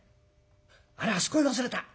あれあそこへ忘れた。